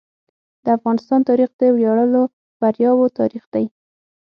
د افغانستان تاریخ د ویاړلو بریاوو تاریخ دی.